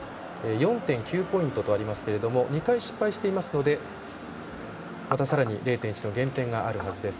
４．９ポイントとありますが２回失敗しているのでさらに０．１の減点があるはずです。